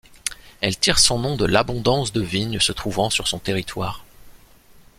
Elle tire son nom de l'abondance de vignes se trouvant sur son territoire.